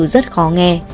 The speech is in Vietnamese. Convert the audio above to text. rất khó nghe